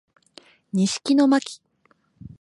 西木野真姫